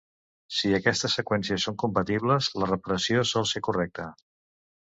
Si aquestes seqüències són compatibles, la reparació sol ser correcta.